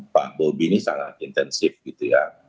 pak bobi ini sangat intensif gitu ya